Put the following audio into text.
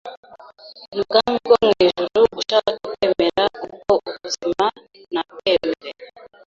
n ubwami bwo mu ijuru Ushaka kwemera ubwo buzima nabwemere